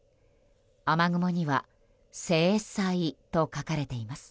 雨雲には制裁と書かれています。